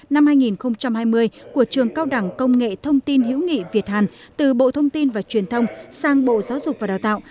năm hai nghìn hai mươi của trường cao đẳng công nghệ thông tin hữu nghị việt hàn từ bộ thông tin và truyền thông sang bộ giáo dục và đào tạo